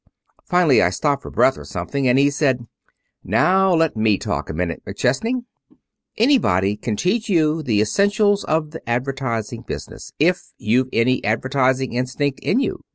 Finally I stopped for breath, or something, and he said: "'Now let me talk a minute, McChesney. Anybody can teach you the essentials of the advertising business, if you've any advertising instinct in you.